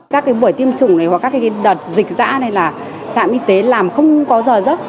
các cái buổi tiêm chủng này hoặc các cái đợt dịch dã này là trạm y tế làm không có giờ rất